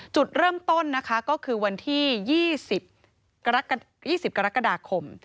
จุดเริ่มต้นนะคะก็คือวันที่๒๐๒๐กรกฎาคม